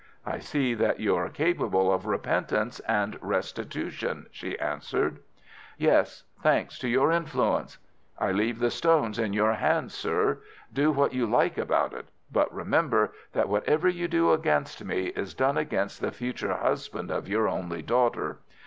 "'I see that you are capable of repentance and restitution,' she answered. "'Yes, thanks to your influence! I leave the stones in your hands, sir. Do what you like about it. But remember that whatever you do against me, is done against the future husband of your only daughter.